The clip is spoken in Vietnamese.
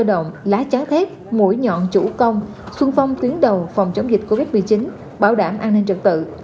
đồng lòng chủ công xuân phong tuyến đầu phòng chống dịch covid một mươi chín bảo đảm an ninh trật tự